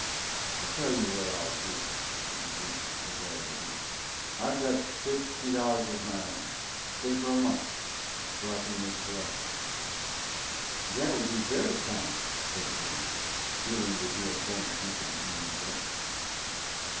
"I'll tell you what I'll do," said the deacon, with a bright idea. "I've got fifty dollars of my own say for a month, till I can make collections." "That would be very kind," said Grant, feeling that he had done the deacon an injustice.